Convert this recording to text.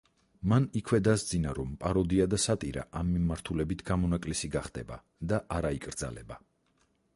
მან იქვე დასძინა, რომ პაროდია და სატირა ამ მიმართულებით გამონაკლისი გახდება და არ აიკრძალება.